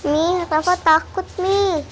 mi kenapa takut mi